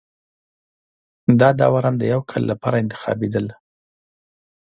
دا داوران د یوه کال لپاره انتخابېدل